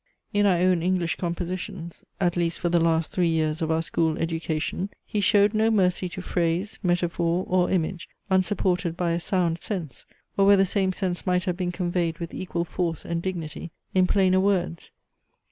In our own English compositions, (at least for the last three years of our school education,) he showed no mercy to phrase, metaphor, or image, unsupported by a sound sense, or where the same sense might have been conveyed with equal force and dignity in plainer words .